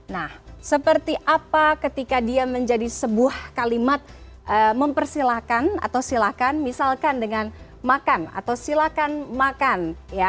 nah seperti apa ketika dia menjadi sebuah kalimat mempersilahkan atau silahkan misalkan dengan makan atau silakan makan